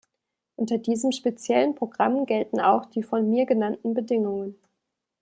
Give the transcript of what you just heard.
Unter diesem speziellen Programm gelten auch die von mir genannten Bedingungen.